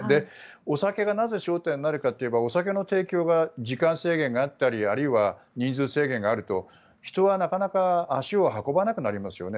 お酒がなぜ焦点になるかといえばお酒の提供が時間制限があったりあるいは人数制限があると人はなかなか足を運ばなくなりますよね。